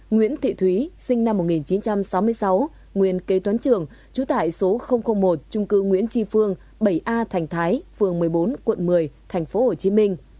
nguyễn thị thúy sinh năm một nghìn chín trăm sáu mươi sáu nguyên kế toán trường trú tại số một trung cư nguyễn tri phương bảy a tp hcm